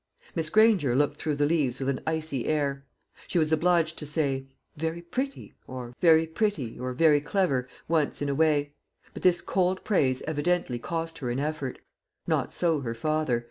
Miss Granger looked through the leaves with an icy air. She was obliged to say, "Very pretty," or "Very clever," once in a way; but this cold praise evidently cost her an effort. Not so her father.